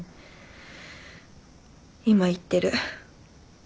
今行ってる。